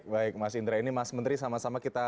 baik mas indra ini mas menteri sama sama kita